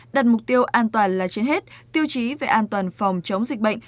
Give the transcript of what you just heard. đặt mục tiêu an toàn là trên hết tiêu chí về an toàn phòng chống dịch bệnh